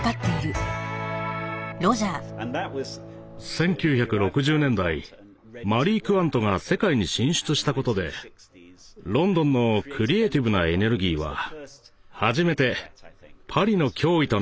１９６０年代マリー・クワントが世界に進出したことでロンドンのクリエーティブなエネルギーは初めてパリの脅威となったのです。